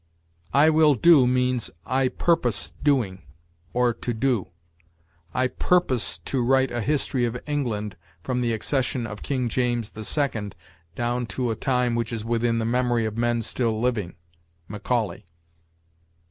"I will do" means "I purpose doing, or to do." "I purpose to write a history of England from the accession of King James the Second down to a time which is within the memory of men still living." Macaulay.